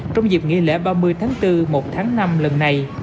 trong dịp nghỉ lễ ba mươi tháng bốn một tháng năm lần này